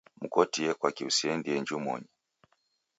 Mkotie kwaki useendie njumonyi.